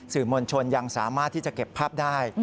สื่อมวลชนยังสามารถที่จะเก็บภาพได้